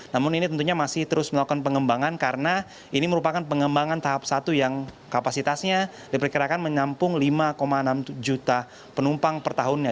namun ini tentunya masih terus melakukan pengembangan karena ini merupakan pengembangan tahap satu yang kapasitasnya diperkirakan menampung lima enam juta penumpang per tahunnya